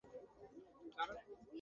আমরা একসাথে বাড়িতে যাবো।